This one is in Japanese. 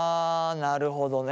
なるほどね。